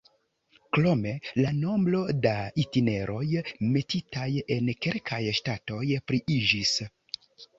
Krome, la nombro da itineroj metitaj en kelkaj ŝtatoj pliiĝis.